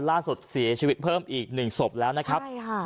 ล่าสุดเสียชีวิตเพิ่มอีกหนึ่งศพแล้วนะครับใช่ค่ะ